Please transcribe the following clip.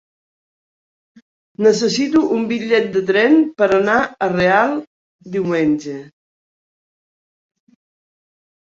Necessito un bitllet de tren per anar a Real diumenge.